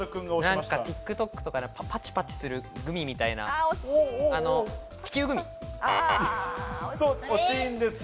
ＴｉｋＴｏｋとかで、パチパチするグミみたいな、地球グミ。